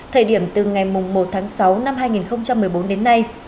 thời điểm từ ngày một tháng sáu năm hai nghìn một mươi bốn đến nay